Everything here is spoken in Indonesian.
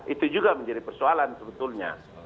itu juga menjadi persoalan sebetulnya